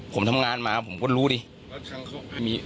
ผมทำงานมาผมก็รู้ดิ